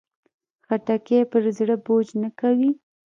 خټکی پر زړه بوج نه کوي.